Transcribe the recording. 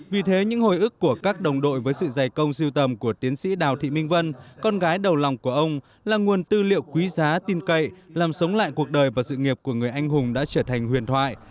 vì thế những hồi ức của các đồng đội với sự giày công siêu tầm của tiến sĩ đào thị minh vân con gái đầu lòng của ông là nguồn tư liệu quý giá tin cậy làm sống lại cuộc đời và sự nghiệp của người anh hùng đã trở thành huyền thoại